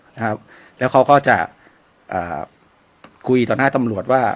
นะครับแล้วเขาก็จะอ่าคุยต่อหน้าตำรวจว่า